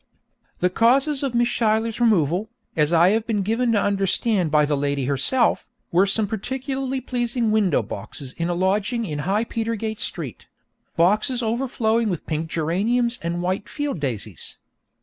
The causes of Miss Schuyler's removal, as I have been given to understand by the lady herself, were some particularly pleasing window boxes in a lodging in High Petergate Street; boxes overflowing with pink geraniums and white field daisies.